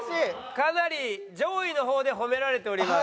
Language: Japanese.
かなり上位の方でホメられております。